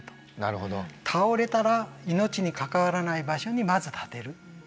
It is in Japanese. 倒れたら命に関わらない場所にまず立てる。